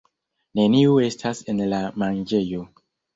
Neniu estas en la manĝejo.